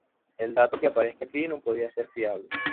El dato que aparezca aquí no podría ser fiable.